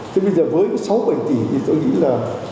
thế bây giờ với sáu bảy tỷ thì tôi nghĩ là